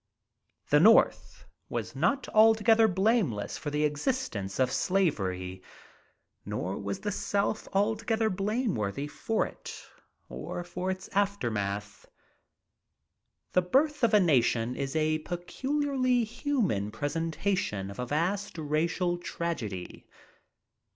The North was not altogether blameless for the existence of slavery, nor was the South altogether blameworthy for it or for its aftermath. "The Birth of a Nation" is a peculiarly human presentation of a vast racial tragedy.